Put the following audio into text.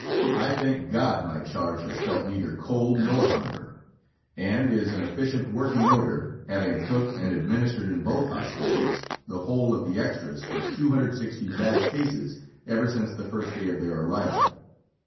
I thank God my charge has felt neither cold nor hunger (and is in efficient working order, having cooked and administered in both Hospitals the whole of the extras for 260 bad cases ever since the first day of their arrival).